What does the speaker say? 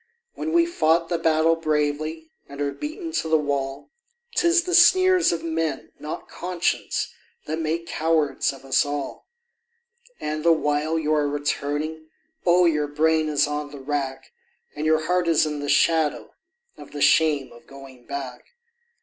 When we've fought the battle bravely and are beaten to the wall, 'Tis the sneers of men, not conscience, that make cowards of us all; And the while you are returning, oh! your brain is on the rack, And your heart is in the shadow of the shame of going back.